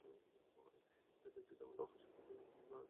তাই ভেঙে যাওয়া লোহার সেতুটির স্থলে কংক্রিটের সেতু নির্মাণ করতে হবে।